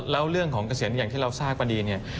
แล้วเรื่องของเกษียณอย่างที่เราทราบพอดีเนี่ย